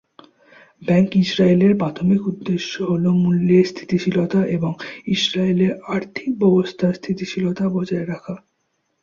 Bank ইসরায়েলের প্রাথমিক উদ্দেশ্য হল মূল্যের স্থিতিশীলতা এবং ইসরায়েলের আর্থিক ব্যবস্থার স্থিতিশীলতা বজায় রাখা।